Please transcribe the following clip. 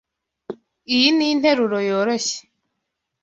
Iyi ninteruro yoroshye.